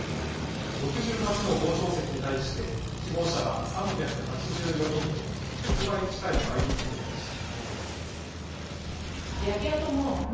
６８の傍聴席に対して希望者は３８４人と６倍近い倍率になりました。